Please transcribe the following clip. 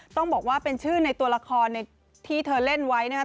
ต้องบอกว่าเป็นชื่อในตัวละครที่เธอเล่นไว้นะครับ